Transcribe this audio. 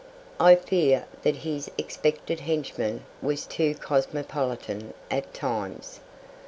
I fear that his expected henchman was too cosmopolitan at times.